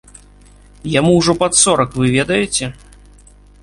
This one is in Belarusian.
Яму ўжо пад сорак, вы ведаеце?